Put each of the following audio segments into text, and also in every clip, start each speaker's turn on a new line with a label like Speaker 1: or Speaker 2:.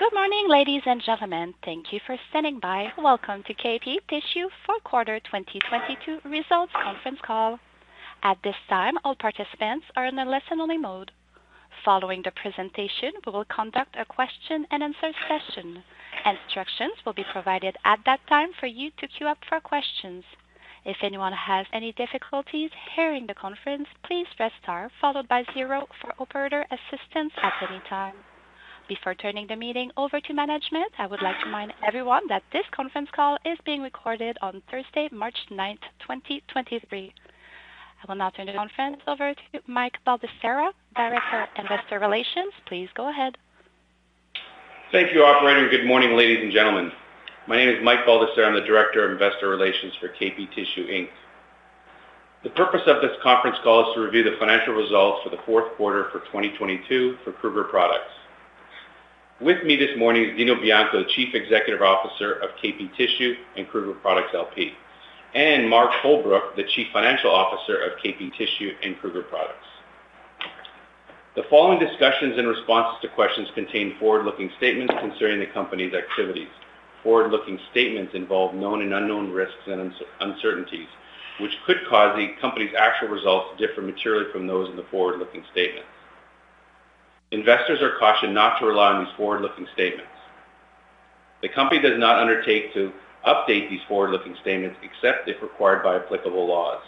Speaker 1: Good morning, ladies and gentlemen. Thank you for standing by. Welcome to KP Tissue Fourth Quarter 2022 Results Conference Call. At this time, all participants are in a listen only mode. Following the presentation, we will conduct a question and answer session. Instructions will be provided at that time for you to queue up for questions. If anyone has any difficulties hearing the conference, please press star zero for operator assistance at any time. Before turning the meeting over to management, I would like to remind everyone that this conference call is being recorded on Thursday, March 9, 2023. I will now turn the conference over to Mike Baldesarra, Director, Investor Relations. Please go ahead.
Speaker 2: Thank you, operator. Good morning, ladies and gentlemen. My name is Mike Baldesarra. I'm the Director of Investor Relations for KP Tissue Inc. The purpose of this conference call is to review the financial results for the fourth quarter for 2022 for Kruger Products. With me this morning is Dino Bianco, Chief Executive Officer of KP Tissue and Kruger Products L.P., and Mark Holbrook, Chief Financial Officer of KP Tissue and Kruger Products. The following discussions in responses to questions contain forward-looking statements concerning the company's activities. Forward-looking statements involve known and unknown risks and uncertainties, which could cause the company's actual results to differ materially from those in the forward-looking statements. Investors are cautioned not to rely on these forward-looking statements. The company does not undertake to update these forward-looking statements except if required by applicable laws.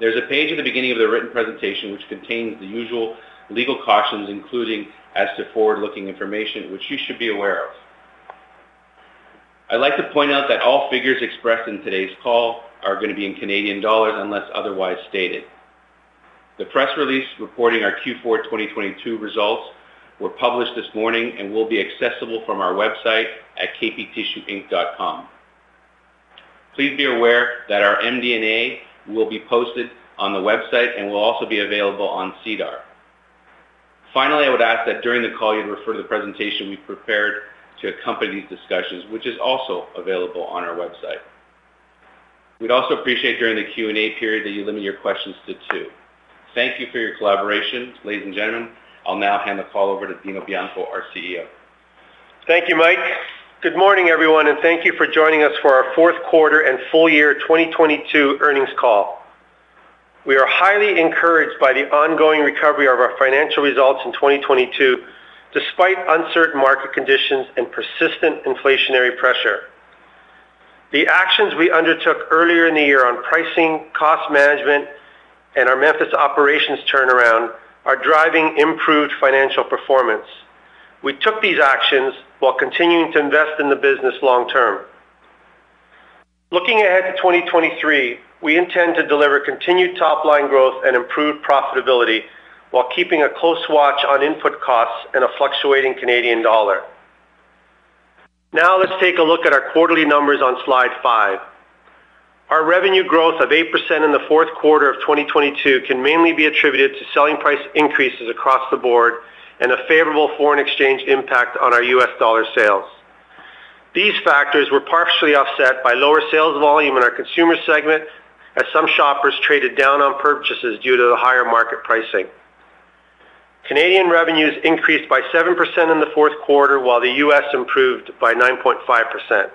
Speaker 2: There's a page at the beginning of the written presentation which contains the usual legal cautions, including as to forward-looking information, which you should be aware of. I'd like to point out that all figures expressed in today's call are gonna be in Canadian dollars unless otherwise stated. The press release reporting our Q4 2022 results were published this morning and will be accessible from our website at kptissueinc.com. Please be aware that our MD&A will be posted on the website and will also be available on SEDAR. Finally, I would ask that during the call you refer to the presentation we prepared to accompany these discussions, which is also available on our website. We'd also appreciate during the Q&A period that you limit your questions to two. Thank you for your collaboration. Ladies and gentlemen, I'll now hand the call over to Dino Bianco, our CEO.
Speaker 3: Thank you Mike good morning everyone and thank you for joining us for our fourth quarter and full year 2022 earnings call. We are highly encouraged by the ongoing recovery of our financial results in 2022 despite uncertain market conditions and persistent inflationary pressure. The actions we undertook earlier in the year on pricing, cost management, and our Memphis operations turnaround are driving improved financial performance. We took these actions while continuing to invest in the business long term. Looking ahead to 2023, we intend to deliver continued top line growth and improved profitability while keeping a close watch on input costs and a fluctuating Canadian dollar. Now, let's take a look at our quarterly numbers on slide five. Our revenue growth of 8% in the fourth quarter of 2022 can mainly be attributed to selling price increases across the board and a favorable foreign exchange impact on our U.S. dollar sales. These factors were partially offset by lower sales volume in our consumer segment as some shoppers traded down on purchases due to the higher market pricing. Canadian revenues increased by 7% in the fourth quarter, while the U.S. improved by 9.5%.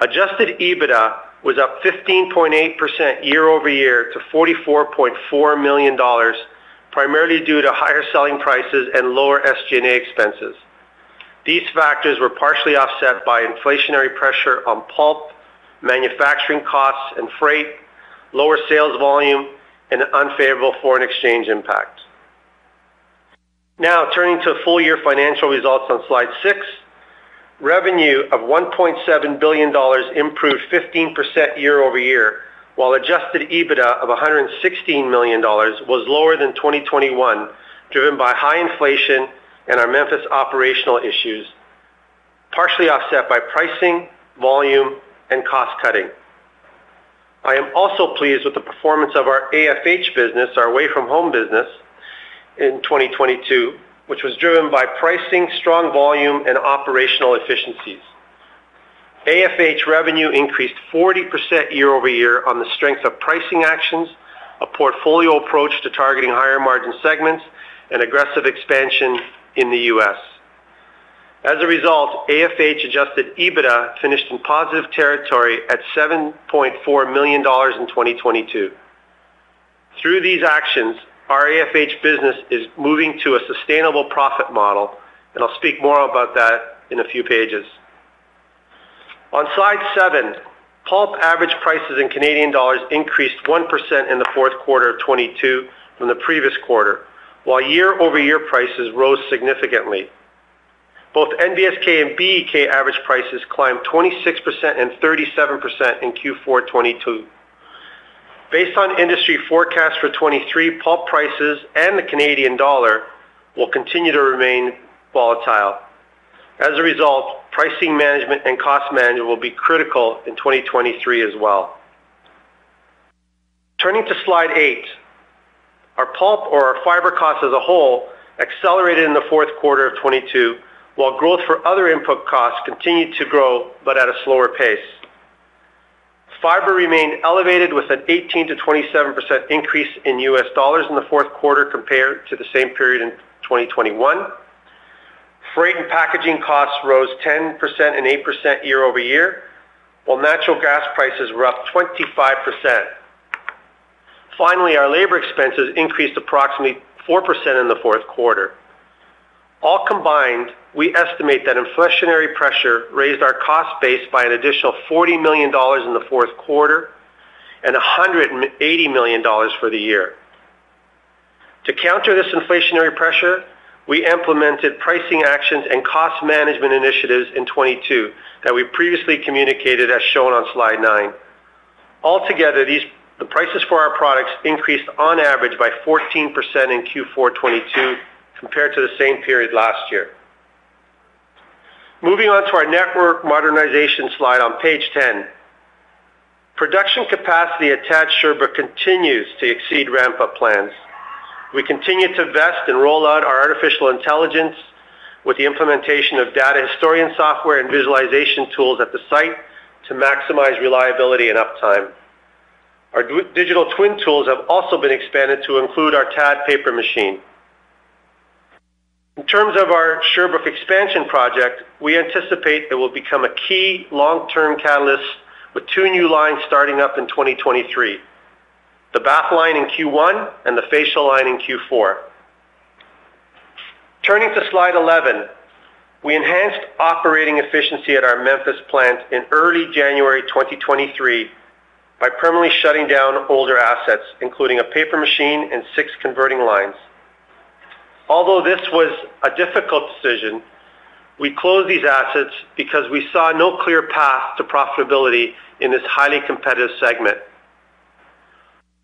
Speaker 3: Adjusted EBITDA was up 15.8% year-over-year to 44.4 million dollars, primarily due to higher selling prices and lower SG&A expenses. These factors were partially offset by inflationary pressure on pulp, manufacturing costs and freight, lower sales volume and unfavorable foreign exchange impact. Turning to full year financial results on slide six. Revenue of 1.7 billion dollars improved 15% year-over-year while Adjusted EBITDA of 116 million dollars was lower than 2021, driven by high inflation and our Memphis operational issues, partially offset by pricing, volume and cost cutting. I am also pleased with the performance of our AFH business, our away from home business, in 2022, which was driven by pricing, strong volume, and operational efficiencies. AFH revenue increased 40% year-over-year on the strength of pricing actions, a portfolio approach to targeting higher margin segments, and aggressive expansion in the U.S. As a result, AFH Adjusted EBITDA finished in positive territory at 7.4 million dollars in 2022. Through these actions, our AFH business is moving to a sustainable profit model and I'll speak more about that in a few pages. On slide seven pulp average prices in CAD increased 1% in the fourth quarter of 2022 from the previous quarter, while year-over-year prices rose significantly. Both NBSK and BEK average prices climbed 26% and 37% in Q4 2022. Based on industry forecast for 2023, pulp prices and the Canadian dollar will continue to remain volatile. Pricing management and cost management will be critical in 2023 as well. Turning to slide eight, our pulp or our fiber cost as a whole accelerated in the fourth quarter of 2022, while growth for other input costs continued to grow but at a slower pace. Fiber remained elevated with an 18%-27% increase in USD in the fourth quarter compared to the same period in 2021. Freight and packaging costs rose 10% and 8% year-over-year, while natural gas prices were up 25%. Finally, our labor expenses increased approximately 4% in the fourth quarter. All combined, we estimate that inflationary pressure raised our cost base by an additional 40 million dollars in the fourth quarter and 180 million dollars for the year. To counter this inflationary pressure, we implemented pricing actions and cost management initiatives in 2022 that we previously communicated as shown on slide nine. Altogether, the prices for our products increased on average by 14% in Q4 2022 compared to the same period last year. Moving on to our network modernization slide on page 10. Production capacity at TAD Sherbrooke continues to exceed ramp-up plans. We continue to invest and roll out our artificial intelligence with the implementation of data historian software and visualization tools at the site to maximize reliability and uptime. Our digital twin tools have also been expanded to include our TAD paper machine. In terms of our Sherbrooke expansion project, we anticipate it will become a key long-term catalyst with two new lines starting up in 2023, the bath line in Q1 and the facial line in Q4. Turning to slide 11. We enhanced operating efficiency at our Memphis plant in early January 2023 by permanently shutting down older assets, including a paper machine and 6 converting lines. Although this was a difficult decision, we closed these assets because we saw no clear path to profitability in this highly competitive segment.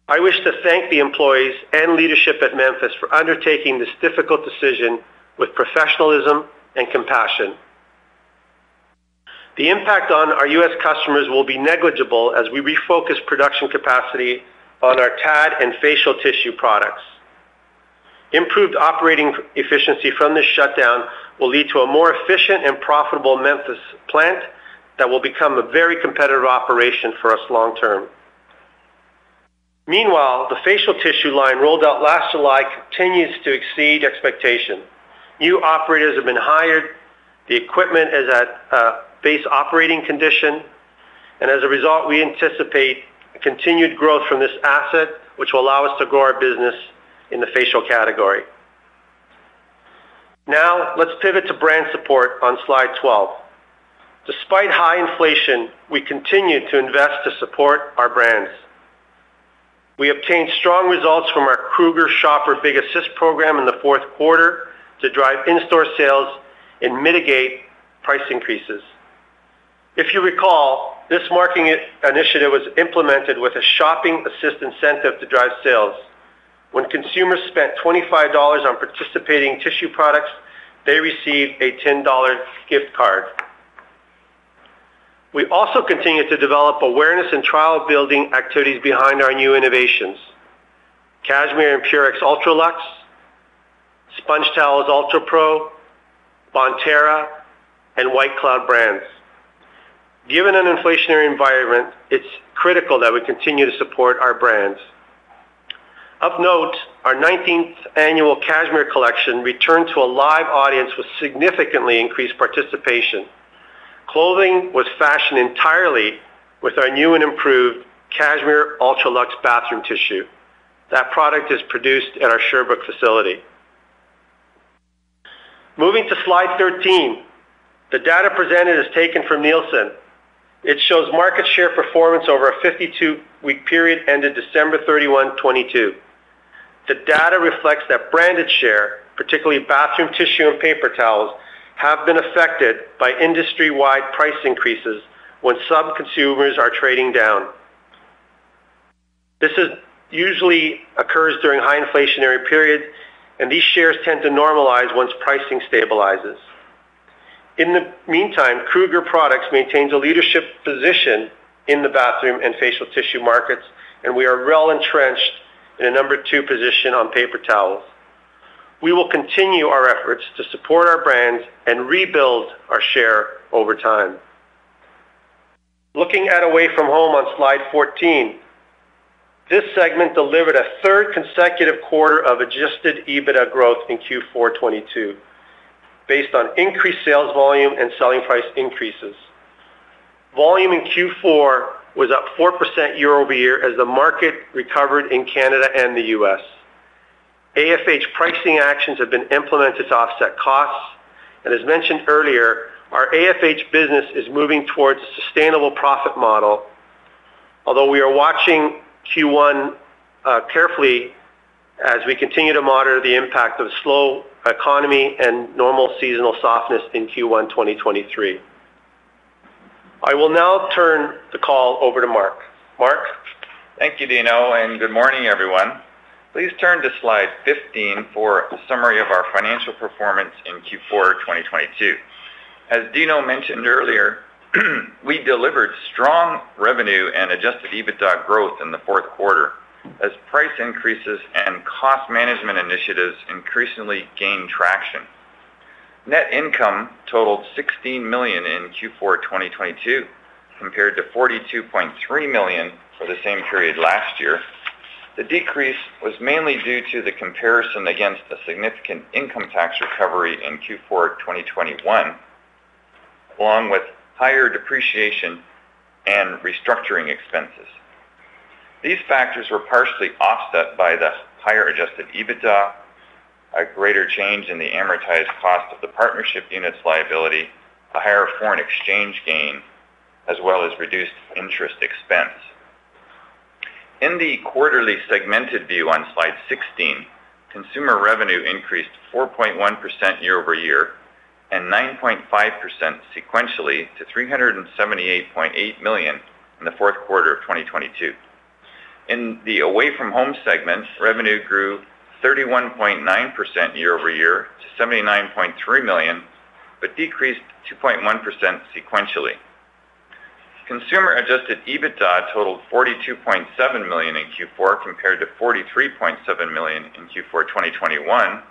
Speaker 3: I wish to thank the employees and leadership at Memphis for undertaking this difficult decision with professionalism and compassion. The impact on our U.S. customers will be negligible as we refocus production capacity on our TAD and facial tissue products. Improved operating efficiency from this shutdown will lead to a more efficient and profitable Memphis plant that will become a very competitive operation for us long term. Meanwhile, the facial tissue line rolled out last July continues to exceed expectation. New operators have been hired. The equipment is at base operating condition. As a result we anticipate continued growth from this asset, which will allow us to grow our business in the facial category. Now, let's pivot to brand support on slide 12. Despite high inflation we continue to invest to support our brands. We obtained strong results from our Kruger Big Assist program in the fourth quarter to drive in-store sales and mitigate price increases. If you recall, this marketing initiative was implemented with a shopping assist incentive to drive sales. When consumers spent 25 dollars on participating tissue products, they received a 10 dollar gift card. We also continued to develop awareness and trial-building activities behind our new innovations Cashmere and Purex UltraLuxe, SpongeTowels UltraPRO, Bonterra, and White Cloud brands. Given an inflationary environment, it's critical that we continue to support our brands. Of note, our 19th annual Cashmere Collection returned to a live audience with significantly increased participation. Clothing was fashioned entirely with our new and improved Cashmere UltraLuxe bathroom tissue. That product is produced at our Sherbrooke facility. Moving to slide 13, the data presented is taken from Nielsen. It shows market share performance over a 52-week period ended December 31, 2022. The data reflects that branded share, particularly bathroom tissue and paper towels, have been affected by industry-wide price increases when some consumers are trading down. This usually occurs during high inflationary periods, these shares tend to normalize once pricing stabilizes. In the meantime, Kruger Products maintains a leadership position in the bathroom and facial tissue markets, we are well entrenched in a number two position on paper towels. We will continue our efforts to support our brands and rebuild our share over time. Looking at Away From Home on slide 14, this segment delivered a third consecutive quarter of Adjusted EBITDA growth in Q4 2022 based on increased sales volume and selling price increases. Volume in Q4 was up 4% year-over-year as the market recovered in Canada and the U.S. AFH pricing actions have been implemented to offset costs. As mentioned earlier our AFH business is moving towards a sustainable profit model. We are watching Q1 carefully as we continue to monitor the impact of slow economy and normal seasonal softness in Q1 2023. I will now turn the call over to Mark. Mark?
Speaker 4: Thank you Dino and good morning everyone. Please turn to slide 15 for a summary of our financial performance in Q4 2022. As Dino mentioned earlier, we delivered strong revenue and Adjusted EBITDA growth in the fourth quarter as price increases and cost management initiatives increasingly gained traction. Net income totaled CAD 16 million in Q4 2022, compared to CAD 42.3 million for the same period last year. The decrease was mainly due to the comparison against a significant income tax recovery in Q4 2021, along with higher depreciation and restructuring expenses. These factors were partially offset by the higher Adjusted EBITDA, a greater change in the amortized cost of the partnership units liability, a higher foreign exchange gain, as well as reduced interest expense. In the quarterly segmented view on slide 16, consumer revenue increased 4.1% year-over-year and 9.5% sequentially to 378.8 million in the fourth quarter of 2022. In the away from home segment, revenue grew 31.9% year-over-year to 79.3 million, but decreased 2.1% sequentially. Consumer Adjusted EBITDA totaled 42.7 million in Q4, compared to 43.7 million in Q4 2021,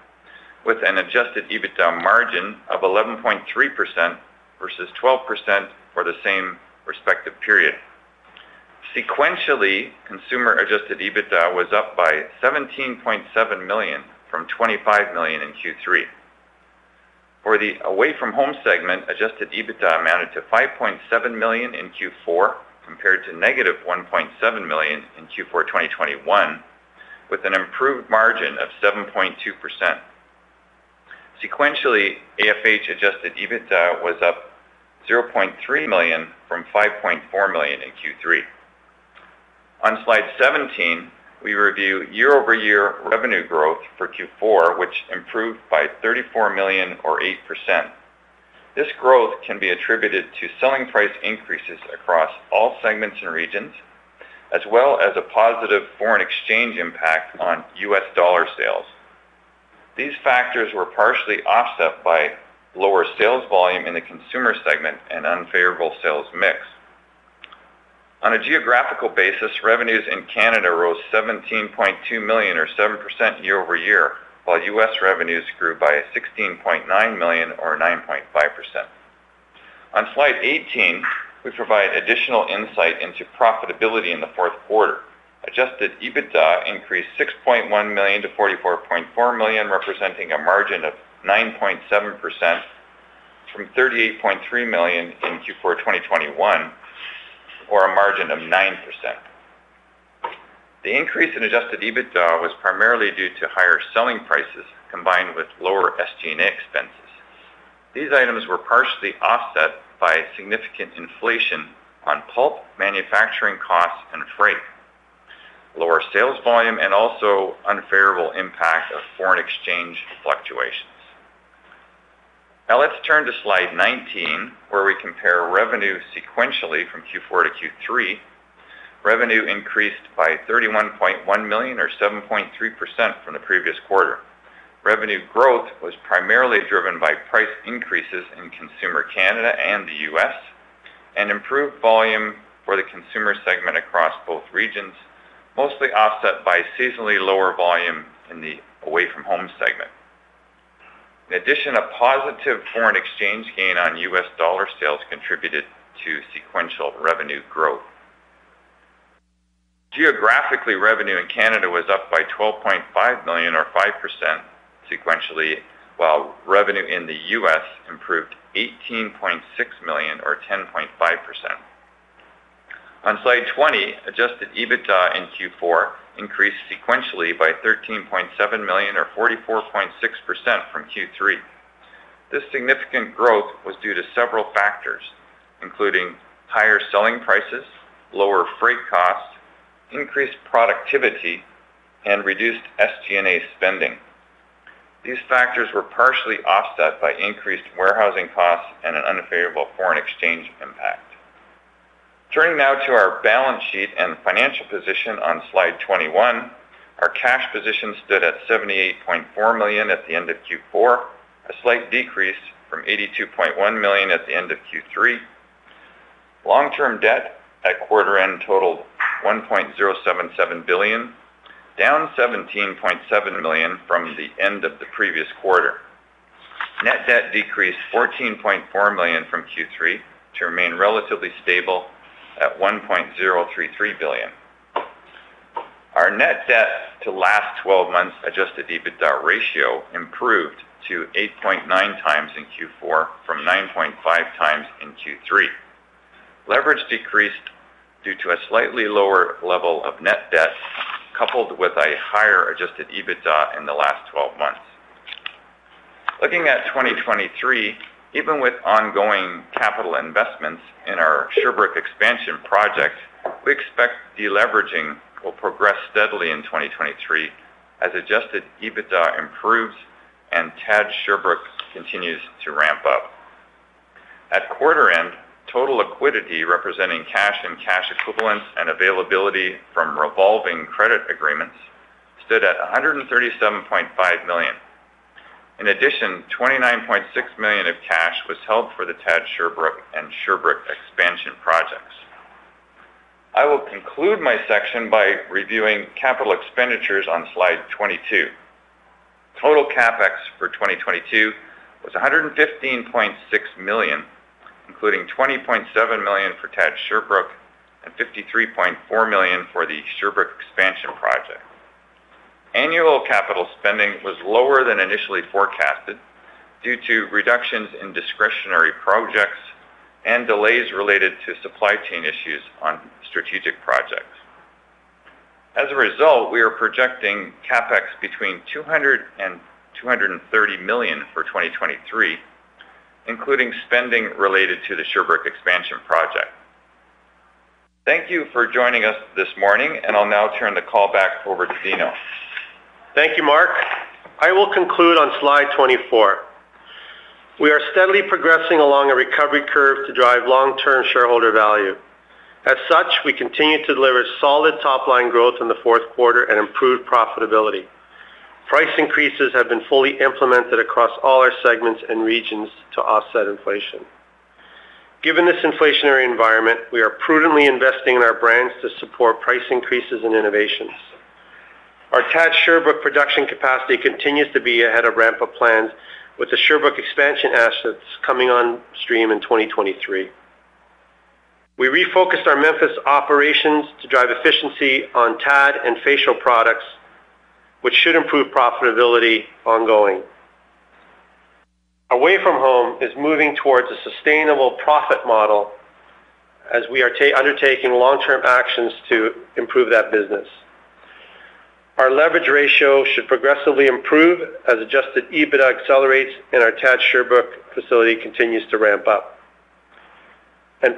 Speaker 4: with an Adjusted EBITDA margin of 11.3% versus 12% for the same respective period. Sequentially, consumer Adjusted EBITDA was up by 17.7 million from 25 million in Q3. For the away from home segment, Adjusted EBITDA amounted to 5.7 million in Q4, compared to negative 1.7 million in Q4 2021, with an improved margin of 7.2%. Sequentially, AFH Adjusted EBITDA was up 0.3 million from 5.4 million in Q3. On slide 17, we review year-over-year revenue growth for Q4, which improved by 34 million or 8%. This growth can be attributed to selling price increases across all segments and regions, as well as a positive foreign exchange impact on US dollar sales. These factors were partially offset by lower sales volume in the consumer segment and unfavorable sales mix. On a geographical basis, revenues in Canada rose 17.2 million or 7% year-over-year, while U.S. revenues grew by 16.9 million or 9.5%. On slide 18, we provide additional insight into profitability in the fourth quarter. Adjusted EBITDA increased 6.1 million to 44.4 million, representing a margin of 9.7% from 38.3 million in Q4 2021, or a margin of 9%. The increase in Adjusted EBITDA was primarily due to higher selling prices combined with lower SG&A expenses. These items were partially offset by significant inflation on pulp manufacturing costs and freight, lower sales volume, and also unfavorable impact of foreign exchange fluctuations. Let's turn to slide 19, where we compare revenue sequentially from Q4 to Q3. Revenue increased by 31.1 million or 7.3% from the previous quarter. Revenue growth was primarily driven by price increases in consumer Canada and the U.S., and improved volume for the consumer segment across both regions, mostly offset by seasonally lower volume in the away from home segment. A positive foreign exchange gain on US dollar sales contributed to sequential revenue growth. Geographically, revenue in Canada was up by 12.5 million or 5% sequentially, while revenue in the U.S. improved 18.6 million or 10.5%. On slide 20, Adjusted EBITDA in Q4 increased sequentially by 13.7 million or 44.6% from Q3. This significant growth was due to several factors, including higher selling prices, lower freight costs, increased productivity, and reduced SG&A spending. These factors were partially offset by increased warehousing costs and an unfavorable foreign exchange impact. Turning now to our balance sheet and financial position on slide 21, our cash position stood at 78.4 million at the end of Q4, a slight decrease from 82.1 million at the end of Q3. Long-term debt at quarter end totaled 1.077 billion, down 17.7 million from the end of the previous quarter. Net debt decreased 14.4 million from Q3 to remain relatively stable at 1.033 billion. Our net debt to last twelve months Adjusted EBITDA ratio improved to 8.9x in Q4 from 9.5x in Q3. Leverage decreased due to a slightly lower level of net debt, coupled with a higher Adjusted EBITDA in the last twelve months. Looking at 2023, even with ongoing capital investments in our Sherbrooke expansion project, we expect deleveraging will progress steadily in 2023 as Adjusted EBITDA improves and TAD Sherbrooke continues to ramp up. At quarter end total liquidity representing cash and cash equivalents and availability from revolving credit agreements, stood at 137.5 million. 29.6 million of cash was held for the TAD Sherbrooke and Sherbrooke expansion projects. I will conclude my section by reviewing capital expenditures on slide 22. Total CapEx for 2022 was 115.6 million, including 20.7 million for TAD Sherbrooke and 53.4 million for the Sherbrooke expansion project. Annual capital spending was lower than initially forecasted due to reductions in discretionary projects and delays related to supply chain issues on strategic projects. We are projecting CapEx between 200 million and 230 million for 2023, including spending related to the Sherbrooke expansion project. Thank you for joining us this morning, and I'll now turn the call back over to Dino.
Speaker 3: Thank you, Mark. I will conclude on slide 24. We are steadily progressing along a recovery curve to drive long-term shareholder value. As such, we continue to deliver solid top line growth in the fourth quarter and improved profitability. Price increases have been fully implemented across all our segments and regions to offset inflation. Given this inflationary environment, we are prudently investing in our brands to support price increases and innovations. Our TAD Sherbrooke production capacity continues to be ahead of ramp-up plans with the Sherbrooke expansion assets coming on stream in 2023. We refocused our Memphis operations to drive efficiency on TAD and facial products, which should improve profitability ongoing. Away from home is moving towards a sustainable profit model as we are undertaking long-term actions to improve that business. Our leverage ratio should progressively improve as Adjusted EBITDA accelerates and our TAD Sherbrooke facility continues to ramp up.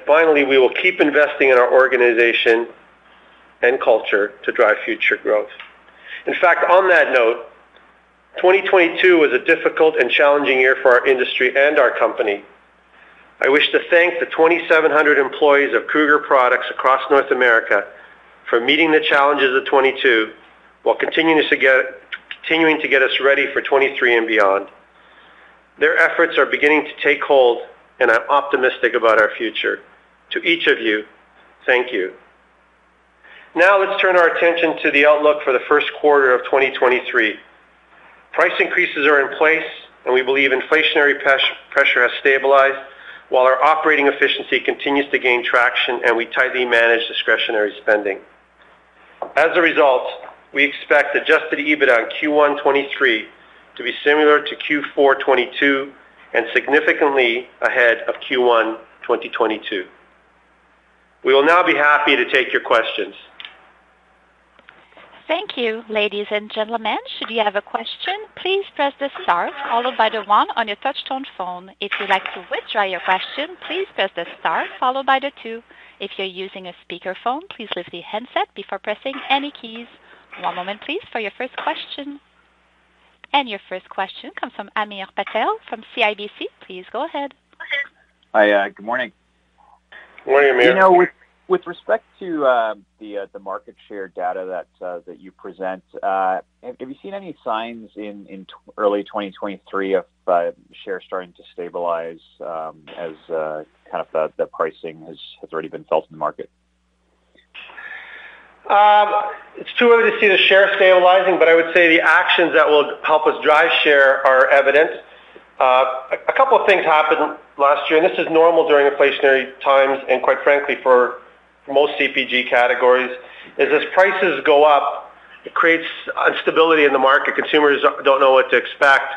Speaker 3: Finally, we will keep investing in our organization and culture to drive future growth. In fact, on that note, 2022 was a difficult and challenging year for our industry and our company. I wish to thank the 2,700 employees of Kruger Products across North America for meeting the challenges of 22 while continuing to get us ready for 23 and beyond. Their efforts are beginning to take hold, and I'm optimistic about our future. To each of you, thank you. Now, let's turn our attention to the outlook for the first quarter of 2023. Price increases are in place, and we believe inflationary pressure has stabilized while our operating efficiency continues to gain traction, and we tightly manage discretionary spending. We expect Adjusted EBITDA in Q1 2023 to be similar to Q4 2022 and significantly ahead of Q1 2022. We will now be happy to take your questions.
Speaker 1: Thank you, ladies and gentlemen. Should you have a question, please press the star followed by the one on your touchtone phone. If you'd like to withdraw your question, please press the star followed by the two. If you're using a speakerphone, please lift the handset before pressing any keys. One moment, please, for your first question. Your first question comes from Hamir Patel from CIBC. Please go ahead.
Speaker 5: Hi good morning.
Speaker 3: Good morning Amir.
Speaker 5: You know, with respect to the market share data that you present, have you seen any signs in early 2023 of share starting to stabilize as kind of the pricing has already been felt in the market?
Speaker 3: It's too early to see the share stabilizing, but I would say the actions that will help us drive share are evident. A couple of things happened last year, this is normal during inflationary times and quite frankly, for most CPG categories is as prices go up it creates instability in the market. Consumers don't know what to expect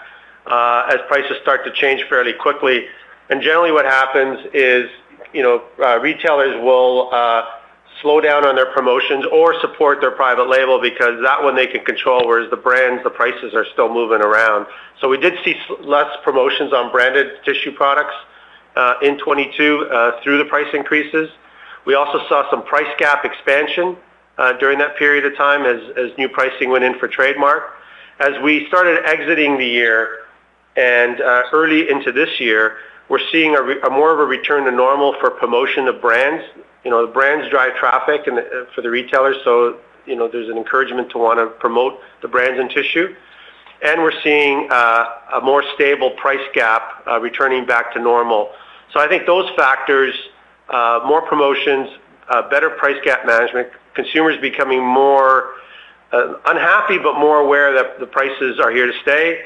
Speaker 3: as prices start to change fairly quickly. What happens is you know retailers will slow down on their promotions or support their private label because that one they can control, whereas the brands, the prices are still moving around. We did see less promotions on branded tissue products in 2022 through the price increases. We also saw some price gap expansion during that period of time as new pricing went in for trademark. As we started exiting the year and early into this year, we're seeing a more of a return to normal for promotion of brands. You know, the brands drive traffic and for the retailers, so, you know, there's an encouragement to wanna promote the brands and tissue. We're seeing a more stable price gap returning back to normal. I think those factors, more promotions, better price gap management, consumers becoming more unhappy but more aware that the prices are here to stay,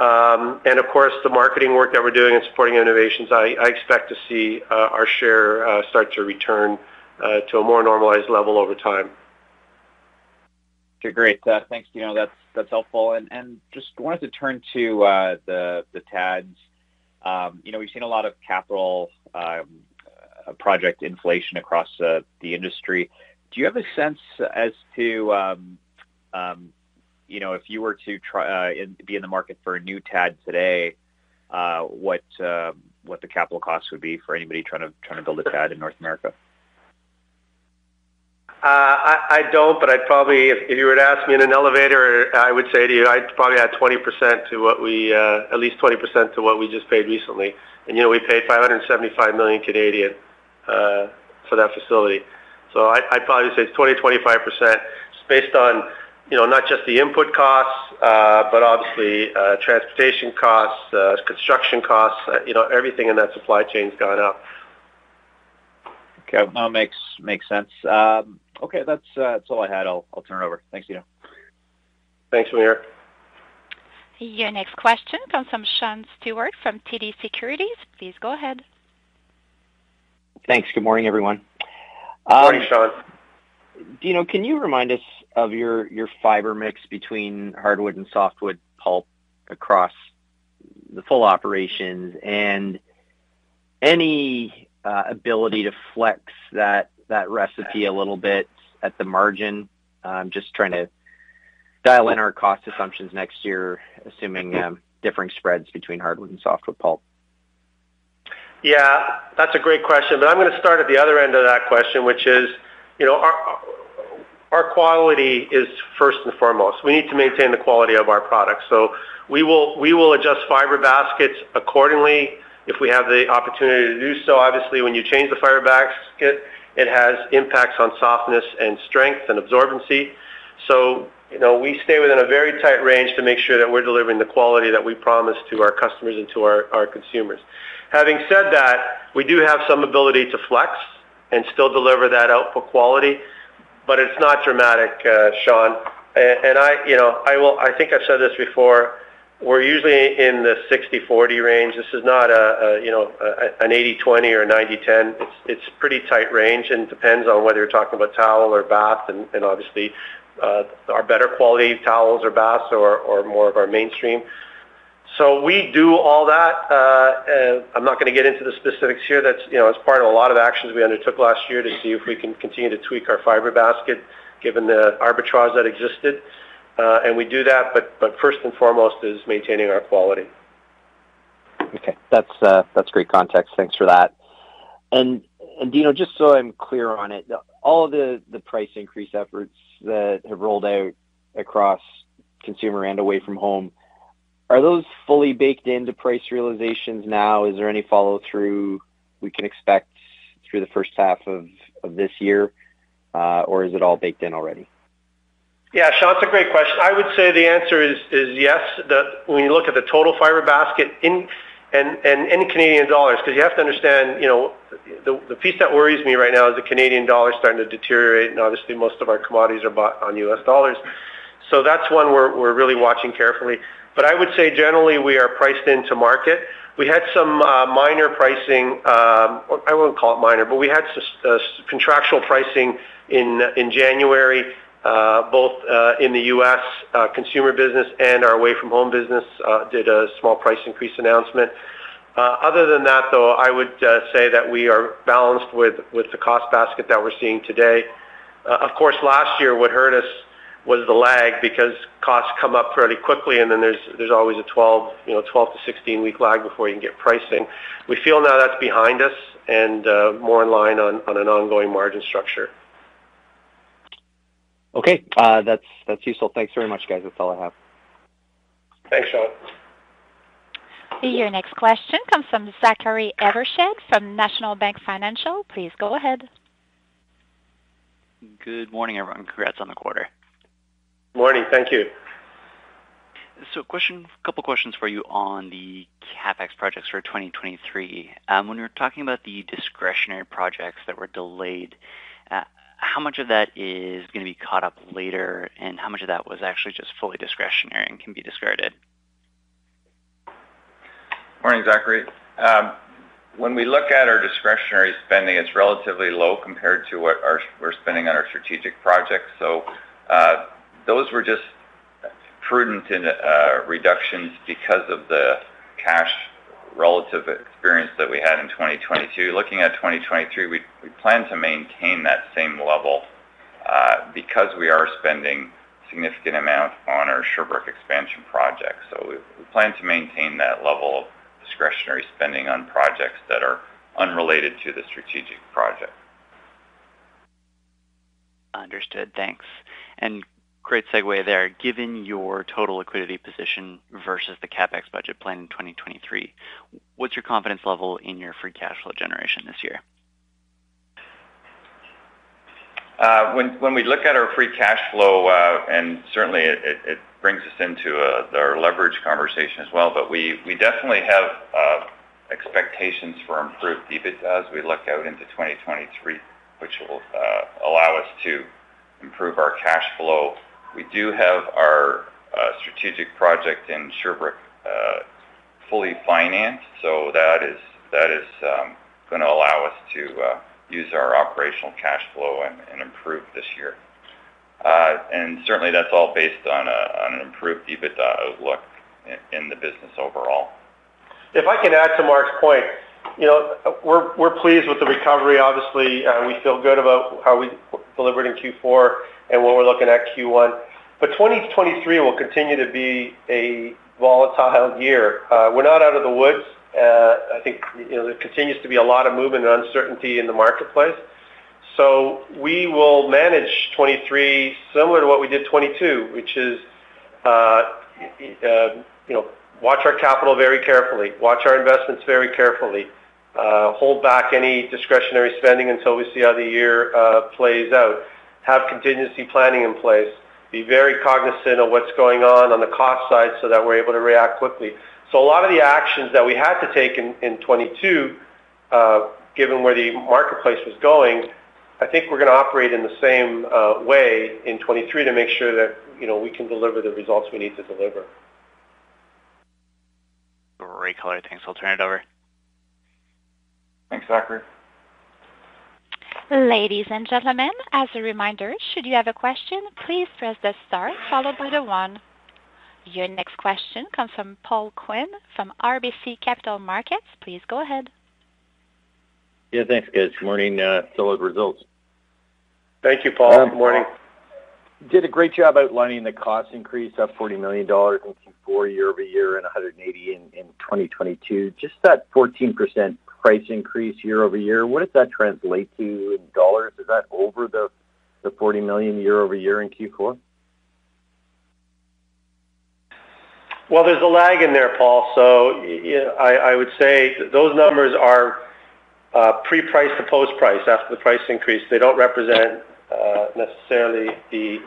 Speaker 3: and of course, the marketing work that we're doing in supporting innovations, I expect to see our share start to return to a more normalized level over time.
Speaker 5: Okay great thanks Dino that's helpful. Just wanted to turn to the TADs. You know, we've seen a lot of capital, project inflation across the industry. Do you have a sense as to, you know, if you were to try and be in the market for a new TAD today, what the capital cost would be for anybody trying to build a TAD in North America?
Speaker 3: I don't but I'd probably if you were to ask me in an elevator, I would say to you, I'd probably add 20% to what we, at least 20% to what we just paid recently. You know, we paid 575 million Canadian dollars for that facility. I'd probably say it's 20%-25% just based on. You know, not just the input costs, but obviously, transportation costs, construction costs, you know, everything in that supply chain has gone up.
Speaker 5: Okay no makes sense. Okay that's all I had I'll turn it over. Thanks Dino.
Speaker 3: Thanks William.
Speaker 1: Your next question comes from Sean Steuart from TD Securities. Please go ahead.
Speaker 6: Thanks. Good morning, everyone.
Speaker 3: Good morning Sean.
Speaker 6: Dino can you remind us of your fiber mix between hardwood and softwood pulp across the full operations? Any ability to flex that recipe a little bit at the margin? I'm just trying to dial in our cost assumptions next year, assuming differing spreads between hardwood and softwood pulp.
Speaker 3: Yeah that's a great question. I'm gonna start at the other end of that question which is, you know, our quality is first and foremost. We need to maintain the quality of our products. We will adjust fiber baskets accordingly if we have the opportunity to do so. Obviously, when you change the fiber basket, it has impacts on softness and strength and absorbency. You know, we stay within a very tight range to make sure that we're delivering the quality that we promise to our customers and to our consumers. Having said that, we do have some ability to flex and still deliver that output quality, but it's not dramatic, Sean I, you know, I will I think I've said this before, we're usually in the 60/40 range. This is not a, you know, an 80/20 or a 90/10. It's pretty tight range, and it depends on whether you're talking about towel or bath and obviously, our better quality towels or baths or more of our mainstream. We do all that. I'm not gonna get into the specifics here. That's, you know, it's part of a lot of actions we undertook last year to see if we can continue to tweak our fiber basket given the arbitrage that existed. We do that, but first and foremost is maintaining our quality.
Speaker 6: Okay. That's that's great context. Thanks for that Dino just so I'm clear on it, all the price increase efforts that have rolled out across consumer and away from home, are those fully baked into price realizations now? Is there any follow-through we can expect through the first half of this year? Is it all baked in already?
Speaker 3: Yeah Sean it's a great question. I would say the answer is yes. When you look at the total fiber basket in and in Canadian dollars, 'cause you have to understand, you know, the piece that worries me right now is the Canadian dollar starting to deteriorate, and obviously, most of our commodities are bought on US dollars. That's one we're really watching carefully. I would say, generally, we are priced into market. We had some minor pricing. I wouldn't call it minor, but we had contractual pricing in January. Both in the U.S. consumer business and our AFH business did a small price increase announcement. Other than that, though, I would say that we are balanced with the cost basket that we're seeing today. Of course last year what hurt us was the lag because costs come up fairly quickly, and then there's always a 12, you know, 12 to 16-week lag before you can get pricing. We feel now that's behind us and more in line on an ongoing margin structure.
Speaker 6: Okay. That's useful. Thanks very much guys. That's all I have.
Speaker 3: Thanks Sean.
Speaker 1: Your next question comes from Zachary Evershed from National Bank Financial. Please go ahead.
Speaker 7: Good morning everyone. Congrats on the quarter.
Speaker 3: Morning thank you.
Speaker 7: Question couple questions for you on the CapEx projects for 2023. When we're talking about the discretionary projects that were delayed, how much of that is gonna be caught up later, and how much of that was actually just fully discretionary and can be discarded?
Speaker 4: Morning Zachary. When we look at our discretionary spending, it's relatively low compared to we're spending on our strategic projects. Those were just prudent in reductions because of the cash relative experience that we had in 2022. Looking at 2023, we plan to maintain that same level because we are spending significant amount on our Sherbrooke expansion project. We plan to maintain that level of discretionary spending on projects that are unrelated to the strategic project.
Speaker 7: Understood. Thanks. Great segue there. Given your total liquidity position versus the CapEx budget plan in 2023, what's your confidence level in your free cash flow generation this year?
Speaker 4: When we look at our free cash flow, and certainly it brings us into our leverage conversation as well. We definitely have expectations for improved EBITDA as we look out into 2023, which will allow us to improve our cash flow. We do have our strategic project in Sherbrooke fully financed, so that is gonna allow us to use our operational cash flow and improve this year. Certainly, that's all based on an improved EBITDA outlook in the business overall.
Speaker 3: If I can add to Mark's point, you know, we're pleased with the recovery, obviously. We feel good about how we delivered in Q4 and where we're looking at Q1. 2023 will continue to be a volatile year. We're not out of the woods. I think, you know, there continues to be a lot of movement and uncertainty in the marketplace. We will manage 23 similar to what we did 22, which is, you know, watch our capital very carefully, watch our investments very carefully, hold back any discretionary spending until we see how the year plays out, have contingency planning in place, be very cognizant of what's going on on the cost side so that we're able to react quickly. A lot of the actions that we had to take in 2022, given where the marketplace was going, I think we're gonna operate in the same way in 2023 to make sure that, you know, we can deliver the results we need to deliver.
Speaker 7: Great. Well, I think so I'll turn it over.
Speaker 3: Thanks, Zachary.
Speaker 1: Ladies and gentlemen, as a reminder, should you have a question, please press star followed by the one. Your next question comes from Paul Quinn from RBC Capital Markets. Please go ahead.
Speaker 8: Yeah thanks guys. Good morning. Solid results.
Speaker 3: Thank you Paul. Good morning.
Speaker 8: You did a great job outlining the cost increase of 40 million dollars in Q4 year-over-year and 180 million in 2022. Just that 14% price increase year-over-year, what does that translate to in dollars? Is that over the 40 million year-over-year in Q4?
Speaker 3: Well, there's a lag in there, Paul. I would say those numbers are pre-priced to post-price after the price increase. They don't represent necessarily the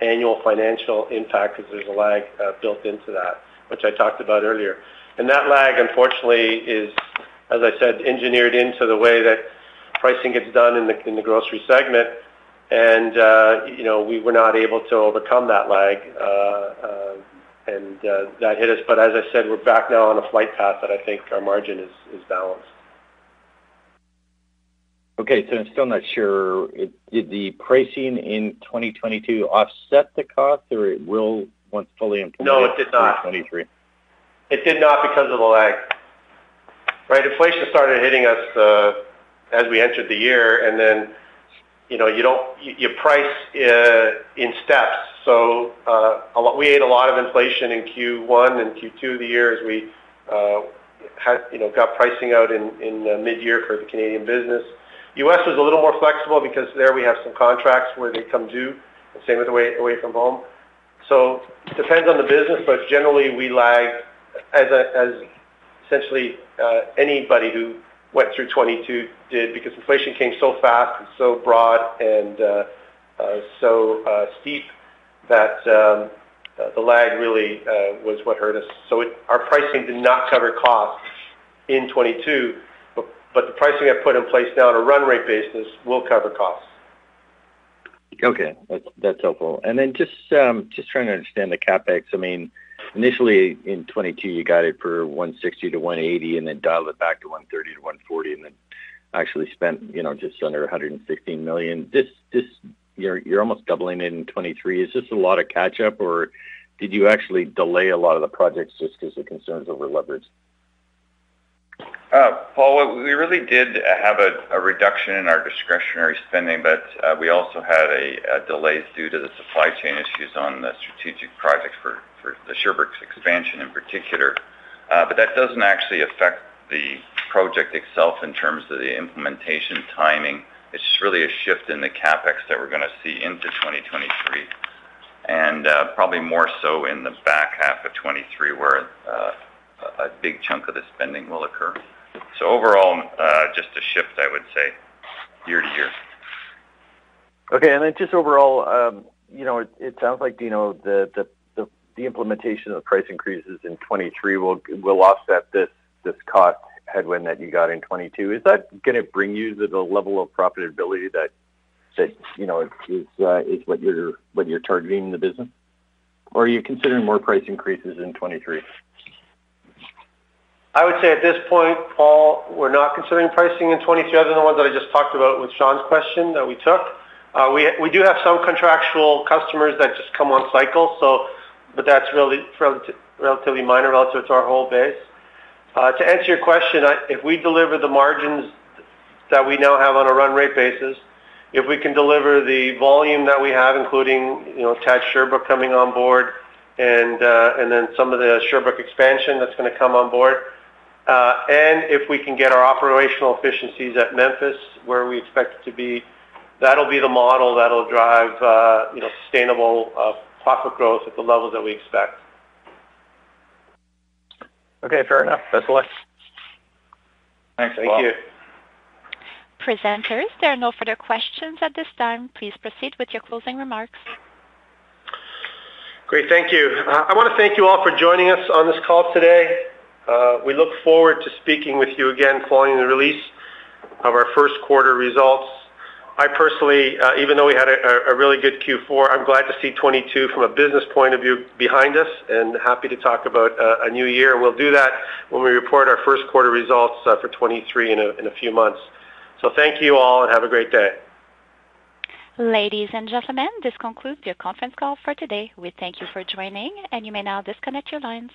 Speaker 3: annual financial impact 'cause there's a lag built into that, which I talked about earlier. That lag, unfortunately, is, as I said, engineered into the way that pricing gets done in the grocery segment. You know, we were not able to overcome that lag, and that hit us. As I said, we're back now on a flight path that I think our margin is balanced.
Speaker 8: Okay I'm still not sure. Did the pricing in 2022 offset the cost, or it will once fully implemented in 2023?
Speaker 3: No it did not. It did not because of the lag, right? Inflation started hitting us as we entered the year, and then, you know, you price in steps. We ate a lot of inflation in Q1 and Q2 of the year as we had, you know, got pricing out in the midyear for the Canadian business. U.S. was a little more flexible because there we have some contracts where they come due, the same with Away From Home. Depends on the business, but generally, we lag as essentially anybody who went through 2022 did because inflation came so fast and so broad and so steep that the lag really was what hurt us. Our pricing did not cover costs in 2022, but the pricing I've put in place now on a run rate basis will cover costs.
Speaker 8: Okay. That's helpful. Just trying to understand the CapEx. I mean, initially in 2022, you got it for 160 million-180 million and then dialed it back to 130 million-140 million, and then actually spent, you know, just under 116 million. You're almost doubling it in 2023. Is this a lot of catch-up, or did you actually delay a lot of the projects just 'cause of concerns over leverage?
Speaker 4: Paul we really did have a reduction in our discretionary spending. We also had delays due to the supply chain issues on the strategic projects for the Sherbrooke expansion in particular. That doesn't actually affect the project itself in terms of the implementation timing. It's just really a shift in the CapEx that we're gonna see into 2023, probably more so in the back half of 2023. A big chunk of the spending will occur. Overall, just a shift, I would say, year to year.
Speaker 8: Okay. Just overall, you know, it sounds like, Dino, the implementation of price increases in 23 will offset this cost headwind that you got in 22. Is that gonna bring you to the level of profitability that, you know, is what you're targeting in the business? Or are you considering more price increases in 23?
Speaker 3: I would say at this point, Paul, we're not considering pricing in 23 other than the ones that I just talked about with Sean's question that we took. We, we do have some contractual customers that just come on cycle, but that's really relatively minor relative to our whole base. To answer your question, if we deliver the margins that we now have on a run rate basis, if we can deliver the volume that we have, including, you know, TAD Sherbrooke coming on board and then some of the Sherbrooke expansion that's gonna come on board, and if we can get our operational efficiencies at Memphis where we expect it to be, that'll be the model that'll drive, you know, sustainable profit growth at the level that we expect.
Speaker 8: Okay, fair enough. That's all I have.
Speaker 4: Thanks, Paul.
Speaker 1: Presenters there are no further questions at this time. Please proceed with your closing remarks.
Speaker 3: Great thank you I wanna thank you all for joining us on this call today. We look forward to speaking with you again following the release of our first quarter results. I personally, even though we had a really good Q4, I'm glad to see 2022 from a business point of view behind us and happy to talk about a new year. We'll do that when we report our first quarter results, for 2023 in a few months. Thank you all and have a great day.
Speaker 1: Ladies and gentlemen this concludes your conference call for today. We thank you for joining and you may now disconnect your lines.